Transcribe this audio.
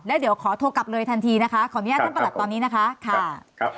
แล้วเดี๋ยวขอโทรกลับเลยทันทีนะคะขออนุญาตท่านประหลัดตอนนี้นะคะค่ะครับ